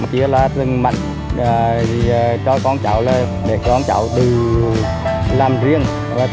chỉ là thông mạnh cho con cháu là người con cháu làm riêng